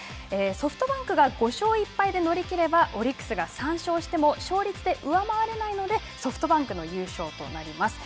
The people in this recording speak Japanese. ソフトバンクが５勝１敗で乗り切ればオリックスが３勝しても勝率で上回れないのでソフトバンクの優勝となります。